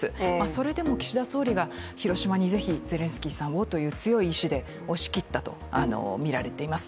それでも岸田総理が広島にぜひゼレンスキーさんをという意思で押し切ったとみられています。